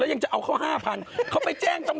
แล้วยังจะเอาเขา๕๐๐๐บาท